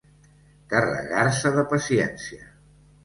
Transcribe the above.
Carregar-se de paciència.